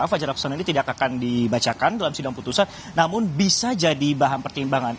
fajar laksono ini tidak akan dibacakan dalam sidang putusan namun bisa jadi bahan pertimbangan